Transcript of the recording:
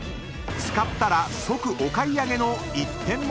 ［使ったら即お買い上げの一点物ですが］